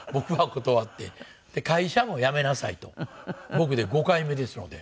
僕で５回目ですので。